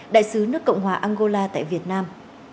đại sứ nước cộng hòa angola tại việt nam